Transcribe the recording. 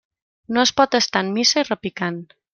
No es pot estar en missa i repicant.